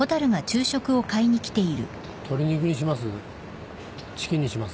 鶏肉にします？